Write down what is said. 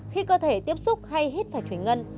khi cơ thể tiếp xúc hay hít phải thủy ngân